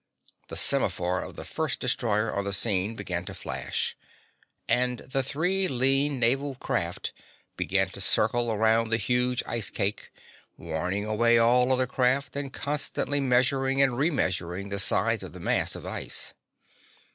The semaphore of the first destroyer on the scene began to flash, and the three lean naval craft began to circle around the huge ice cake, warning away all other craft and constantly measuring and re measuring the size of the mass of ice.